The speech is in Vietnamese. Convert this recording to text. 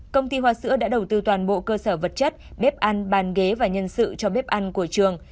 công ty hoa sữa đã đầu tư toàn bộ cơ sở vật chất bếp ăn bàn ghế và nhân sự cho bếp ăn của trường